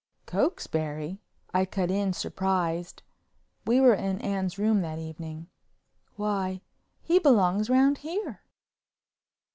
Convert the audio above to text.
"Cokesbury!" I cut in surprised—we were in Anne's room that evening—"why, he belongs round here."